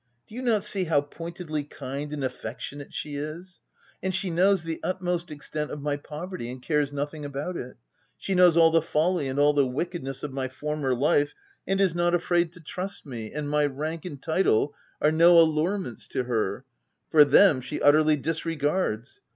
Do you not see how pointedly kind and affectionate she is ? And she knows the utmost extent of my poverty, and cares nothing about it ! She knows all the folly and all the wickedness of my former life, and is not afraid to trust me — and my rank and title are no allurements to her ; for them, she utterly disregards.